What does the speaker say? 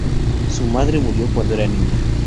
Su madre murió cuando era niña.